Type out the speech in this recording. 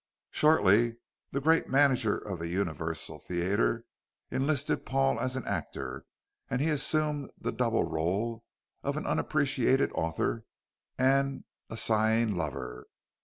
Shortly, the great manager of the Universal Theatre enlisted Paul as an actor, and he assumed the double rôle of an unappreciated author and a sighing lover.